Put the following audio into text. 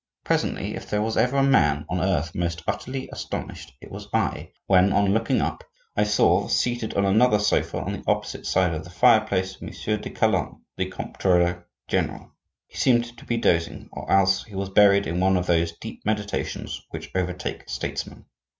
Presently, if there was ever a man on earth most utterly astonished it was I, when, on looking up, I saw, seated on another sofa on the opposite side of the fireplace, Monsieur de Calonne, the comptroller general. He seemed to be dozing, or else he was buried in one of those deep meditations which overtake statesmen.